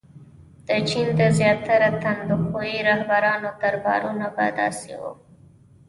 • د چین د زیاتره تندخویو رهبرانو دربارونه به داسې وو.